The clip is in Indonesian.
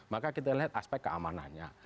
maka kita lihat aspek keamanannya